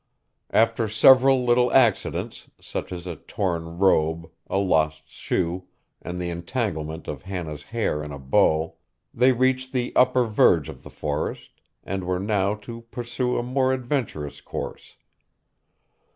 After several little accidents, such as a torn robe, a lost shoe, and the entanglement of Hannah's hair in a bough, they reached the upper verge of the forest, and were now to pursue a more adventurous course.